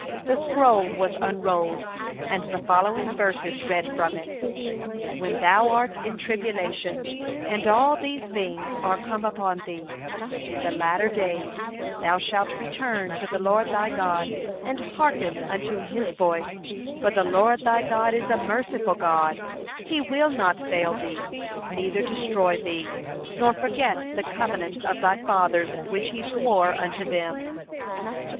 The scroll was unrolled, and the following verses read from it: "When thou art in tribulation, and all these things are come upon thee, in the latter days thou shalt return to the Lord thy God, and hearken unto His voice, for the Lord thy God is a merciful God: He will not fail thee, neither destroy thee, nor forget the covenant of they fathers which He swore unto them."